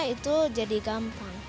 itu jadi gampang